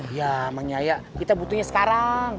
iya mang yaya kita butuhnya sekarang